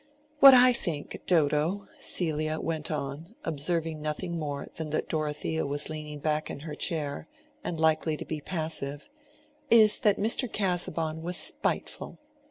What I think, Dodo," Celia went on, observing nothing more than that Dorothea was leaning back in her chair, and likely to be passive, "is that Mr. Casaubon was spiteful.